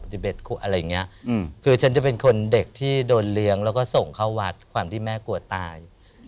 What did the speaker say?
อะไรอย่างเงี้ยคือฉันจะเป็นคนเด็กที่โดนเลี้ยงแล้วก็ส่งเข้าวัดความที่แม่กลัวตาย